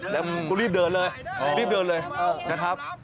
แล้วก็รีบเดินเลยรีบเดินเลยนะครับ